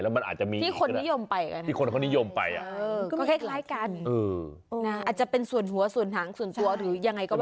แล้วมันอาจจะมีอีกที่คนนิยมไปกัน